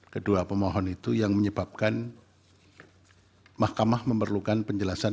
kedua pemohon itu yang menyebabkan mahkamah memerlukan penjelasan